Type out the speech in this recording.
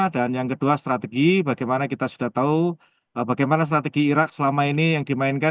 dan yang kedua strategi bagaimana kita sudah tahu bagaimana strategi irak selama ini yang dimainkan